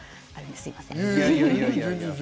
すみません。